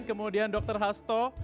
kemudian dr hasto